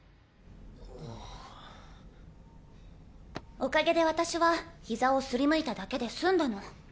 お陰で私はヒザを擦りむいただけで済んだの。